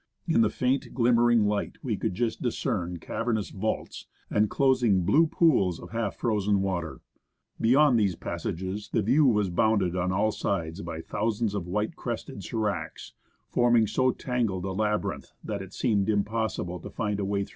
In the faint, glimmering light we could just discern cavernous vaults, enclosing blue pools of half frozen water. Beyond these passages, the view was bounded on all sides by thousands of white crested sdracs, forming so tangled a labyrinth that it seemed impossible to find a way 133 MOUNT ST.